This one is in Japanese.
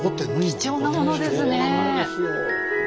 貴重なものですよ。